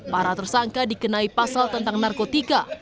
para tersangka dikenai pasal tentang narkotika